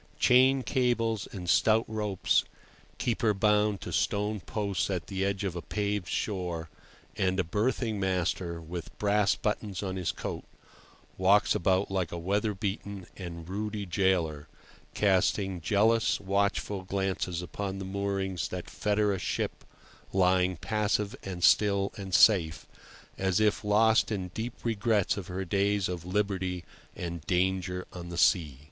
Chain cables and stout ropes keep her bound to stone posts at the edge of a paved shore, and a berthing master, with brass buttons on his coat, walks about like a weather beaten and ruddy gaoler, casting jealous, watchful glances upon the moorings that fetter a ship lying passive and still and safe, as if lost in deep regrets of her days of liberty and danger on the sea.